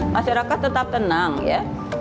masyarakat tetap tenang ya